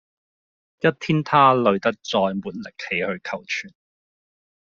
一天他累得再沒力氣去求存